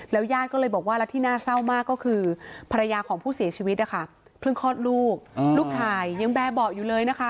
ลูกชายยังแบบบอดอยู่เลยนะคะ